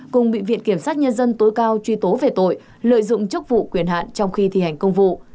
cùng bị viện kiểm sát nhân dân tối cao truy tố về tội lợi dụng chức vụ quyền hạn trong khi thi hành công vụ